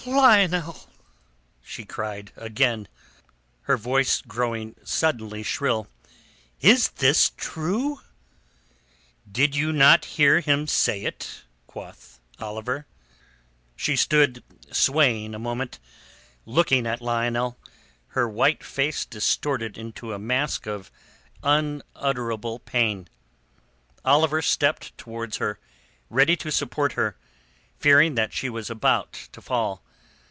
"Lionel!" she cried again, her voice growing suddenly shrill. "Is this true?" "Did you not hear him say it?" quoth Oliver. She stood swaying a moment, looking at Lionel, her white face distorted into a mask of unutterable pain. Oliver stepped towards her, ready to support her, fearing that she was about to fall.